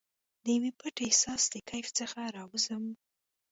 دیو پټ احساس د کیف څخه راوزم